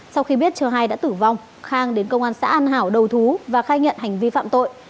sau khi biết chờ hai đã tử vong khang đến công an xã an hảo đầu thú và khai nhận hành vi phạm tội